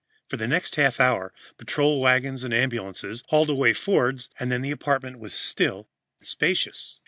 For the next half hour, patrol wagons and ambulances hauled away Fords, and then the apartment was still and spacious.